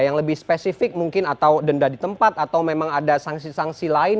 yang lebih spesifik mungkin atau denda di tempat atau memang ada sanksi sanksi lain